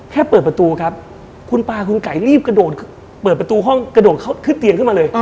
เปิดประตูครับคุณตาคุณไก่รีบกระโดดเปิดประตูห้องกระโดดขึ้นเตียงขึ้นมาเลย